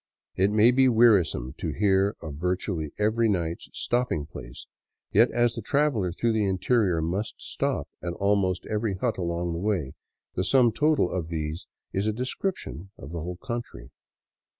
It may be wearisome to hear of virtually every night's stop ping place; yet as the traveler through the interior must stop at al most every hut along the way, the sum total of these is a description of the whole country.